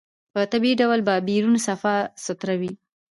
په طبيعي ډول به بيرون صفا سوتره وي.